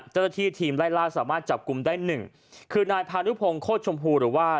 เจ้าที่ทีมลายลาสามารถจับกลุ้มได้หนึ่งคือนายพานุพงศ์โคตรชมพูหรือว่า